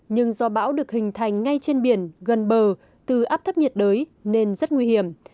nhưng do bão được hình thành ngay trên biển gần bờ từ áp thấp nhiệt đới nên rất nguy hiểm